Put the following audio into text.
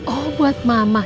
oh buat mama